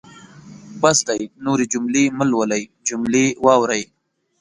بس دی نورې جملې مهلولئ جملې واورئ.